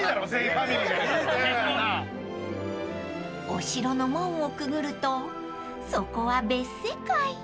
［お城の門をくぐるとそこは別世界］